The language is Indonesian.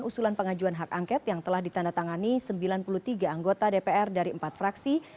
usulan pengajuan hak angket yang telah ditandatangani sembilan puluh tiga anggota dpr dari empat fraksi